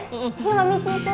bila mimpi itu